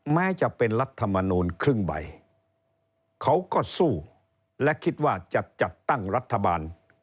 แม้จะเป็นรัฐมนูลครึ่งใบเขาก็สู้และคิดว่าจะจัดตั้งรัฐบาล